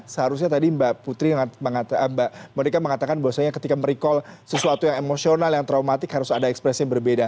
seharusnya tadi mbak putri mbak monika mengatakan bahwasanya ketika merecall sesuatu yang emosional yang traumatik harus ada ekspresi yang berbeda